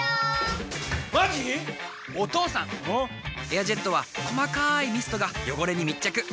「エアジェット」は細かいミストが汚れに密着。